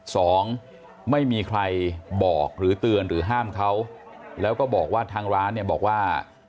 สองไม่มีใครบอกหรือเตือนหรือห้ามเขาแล้วก็บอกว่าทางร้านเนี่ยบอกว่า